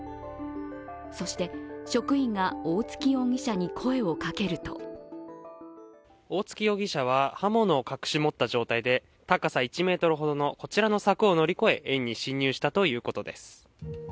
そして職員が大槻容疑者に声をかけると大槻容疑者は刃物を隠し持った状態で高さ１ｍほどのこちらの柵を乗り越え園に侵入したということです。